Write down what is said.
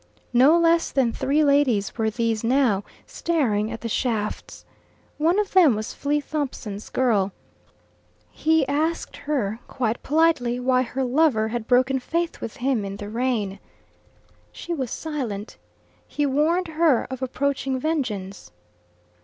No less than three ladies were these now, staring at the shafts. One of them was Flea Thompson's girl. He asked her, quite politely, why her lover had broken faith with him in the rain. She was silent. He warned her of approaching vengeance.